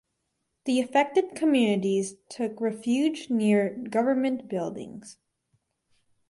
The affected communities took refuge near government buildings.